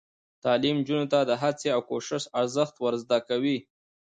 تعلیم نجونو ته د هڅې او کوشش ارزښت ور زده کوي.